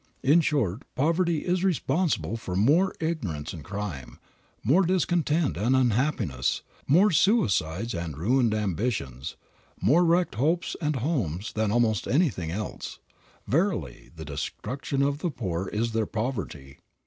In short, poverty is responsible for more ignorance and crime, more discontent and unhappiness, more suicides and ruined ambitions, more wrecked hopes and homes than almost anything else. Verily "the destruction of the poor is their poverty."